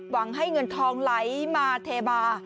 หวังให้เงินทองไหลมาเทบา